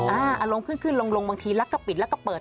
อารมณ์ขึ้นลงบางทีรักก็ปิดรักก็เปิด